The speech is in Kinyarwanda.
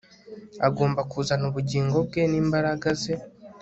agomba kuzana ubugingo bwe n'imbaraga ze